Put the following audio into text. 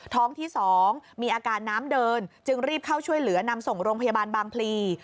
ท้องที่๒มีอาการน้ำเดินจึงรีบเข้าช่วยเหลือนำส่งโรงพยาบาลบางพลี